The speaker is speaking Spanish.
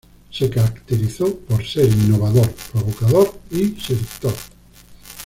Se caracterizó por ser innovador, provocador y seductor.